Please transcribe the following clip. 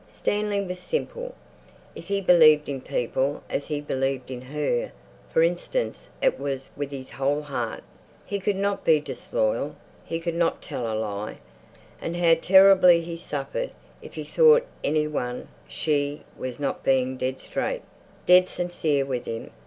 Stanley was simple. If he believed in people—as he believed in her, for instance—it was with his whole heart. He could not be disloyal; he could not tell a lie. And how terribly he suffered if he thought anyone—she—was not being dead straight, dead sincere with him!